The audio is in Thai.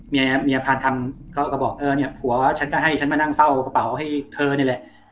เมียพานคำก็บอกหัวฉันก็ให้ฉันนั่งเฝ้ากระเป๋าให้เธอเนี่ยแหละ